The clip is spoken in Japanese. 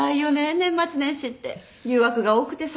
年末年始って誘惑が多くてさ。